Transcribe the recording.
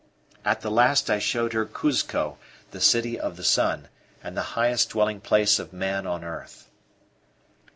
At the last I showed her Cuzco, the city of the sun, and the highest dwelling place of men on earth.